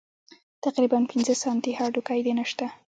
تقريباً پينځه سانتۍ هډوکى دې نشته.